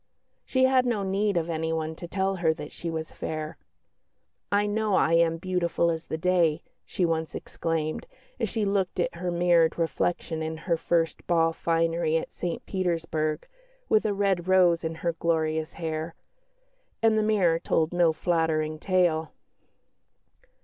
She had no need of anyone to tell her that she was fair. "I know I am beautiful as the day," she once exclaimed, as she looked at her mirrored reflection in her first ball finery at St Petersburg, with a red rose in her glorious hair; and the mirror told no flattering tale.